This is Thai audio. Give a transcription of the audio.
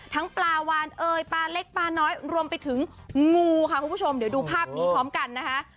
ปลาวานเอยปลาเล็กปลาน้อยรวมไปถึงงูค่ะคุณผู้ชมเดี๋ยวดูภาพนี้พร้อมกันนะคะ